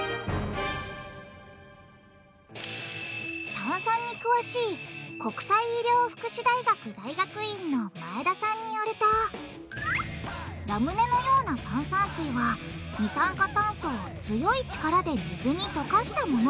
炭酸に詳しい国際医療福祉大学大学院の前田さんによるとラムネのような炭酸水は二酸化炭素を強い力で水に溶かしたもの。